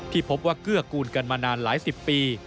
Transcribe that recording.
พบว่าเกื้อกูลกันมานานหลายสิบปี